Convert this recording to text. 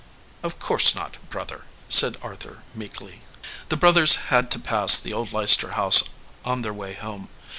"Of course not, brother," said Arthur, meekly. The brothers had to pass the old Leicester house on their way home.